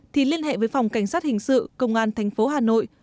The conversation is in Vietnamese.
thì liên hệ với phòng cảnh sát hình sự công an thành phố hà nội